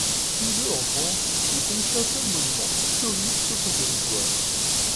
Puiseux-en-France ne compte qu'un seul monument historique sur son territoire.